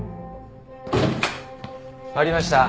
ありました。